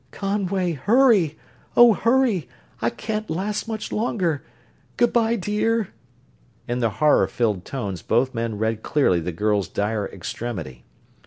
"Conway! Hurry! Oh, hurry! I can't last much longer good bye, dear!" In the horror filled tones both men read clearly the girl's dire extremity.